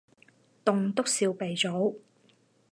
棟篤笑鼻祖